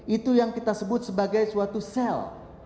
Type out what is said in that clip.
itu yang kita sebut sebagai suatu sel